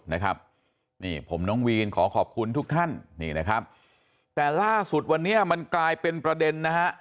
นี่ผมน้องวีนขอขอบคุณทุกท่านแต่ล่าสุดวันนี้มันกลายเป็นประเด็น